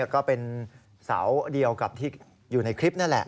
ก็เป็นเสาเดียวกับที่อยู่ในคลิปนั่นแหละ